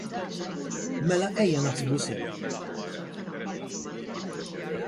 Mela, ejja naħsbu sew.